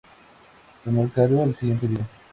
Tomó el cargo el siguiente día.